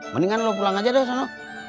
mendingan lo pulang aja deh sana